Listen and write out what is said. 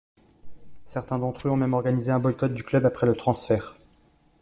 Certains d’entre eux ont même organisé un boycott du club après le transfert.